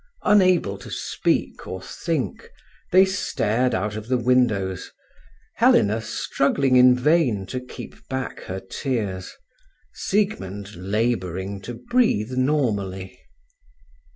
Unable to speak or think, they stared out of the windows, Helena struggling in vain to keep back her tears, Siegmund labouring to breathe normally.